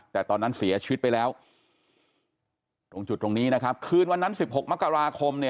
แต่ตอนนั้นเสียชีวิตไปแล้วตรงจุดตรงนี้นะครับคืนวันนั้น๑๖มกราคมเนี่ย